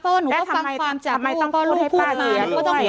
เพราะว่าหนูก็ฟังความจับลูกแล้วทำไมต้องพูดให้ป้าเสียด้วย